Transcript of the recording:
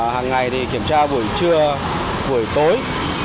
hàng ngày thì kiểm tra buổi trưa buổi tối